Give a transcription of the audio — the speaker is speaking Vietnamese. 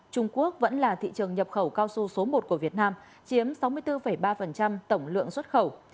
trung quốc vẫn là thị trường nhập khẩu cao su số một của việt nam chiếm sáu mươi bốn ba tổng lượng xuất khẩu